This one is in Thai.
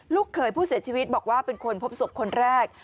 เคยผู้เสียชีวิตบอกว่าเป็นคนพบศพคนแรก